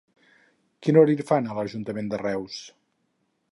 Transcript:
Quin horari fan a l'ajuntament de Reus?